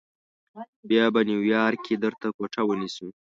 بیا به نیویارک کې درته کوټه ونیسو.